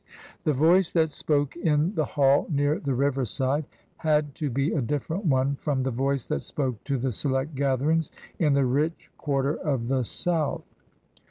The voice that spoke in the Hall, near the riverside, had to be a different one from the voice that spoke to the select gatherings in the rich quarter of the South.